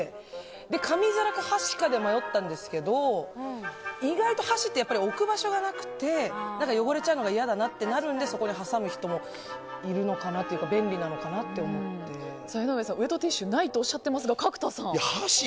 紙皿か箸かで迷ったんですけど意外と箸って置く場所がなくて汚れちゃうのが嫌だなとなるのでそこに挟む人もいるのかなっていうか江上さん、ウェットティッシュないとおっしゃっていますが角田さん。